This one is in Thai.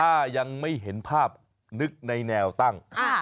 ถ้ายังไม่เห็นภาพนึกในแนวตั้ง